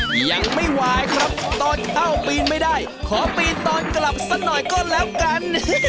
ยังไม่วายครับตอนเข้าปีนไม่ได้ขอปีนตอนกลับสักหน่อยก็แล้วกัน